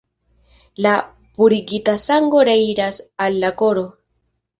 La purigita sango reiras al la koro.